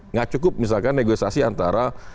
nggak cukup misalkan negosiasi antara